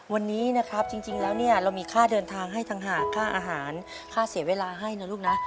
วันนี้นะครับจริงแล้วเนี่ยเรามีค่าเดินทางให้ต่างหากค่าอาหารค่าเสียเวลาให้นะลูกนะ